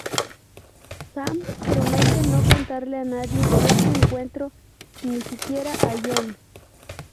Sam promete no contarle a nadie este encuentro, ni siquiera a Jon.